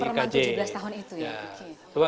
si perman tujuh belas tahun itu ya